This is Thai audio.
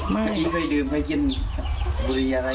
คือกะดีเคยทำเคยกินบุรีอะไร